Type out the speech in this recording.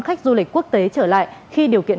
khách du lịch quốc tế trở lại khi điều kiện